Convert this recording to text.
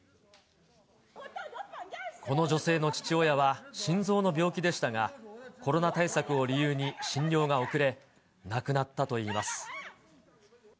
この女性の父親は心臓の病気でしたが、コロナ対策を理由に診療が遅れ、亡くなったといいます。